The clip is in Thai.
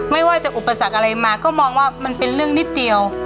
ไม่ว่าจะอุปสรรคอะไรมาก็มองว่ามันเป็นเรื่องนิดเดียว